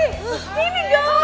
eh keamanan segamu